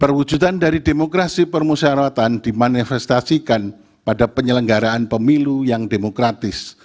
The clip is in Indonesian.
perwujudan dari demokrasi permusyawaratan dimanifestasikan pada penyelenggaraan pemilu yang demokratis